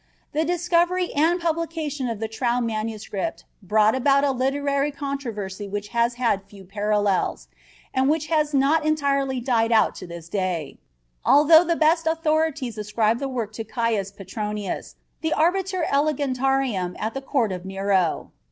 The discovery and publication of the Trau manuscript brought about a literary controversy which has had few parallels, and which has not entirely died out to this day, although the best authorities ascribe the work to Caius Petronius, the Arbiter Elegantiarum at the court of Nero.